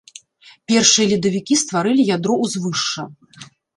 Першыя ледавікі стварылі ядро ўзвышша.